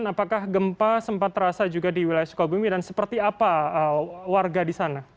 apakah gempa sempat terasa juga di wilayah sukabumi dan seperti apa warga di sana